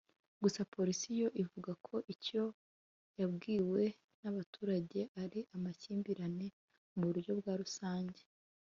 gusa Polisi yo ivuga ko icyo yabwiwe n’abaturage ari amakimbirane mu buryo bwa rusange